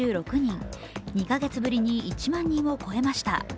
２か月ぶりに１万人を超えました。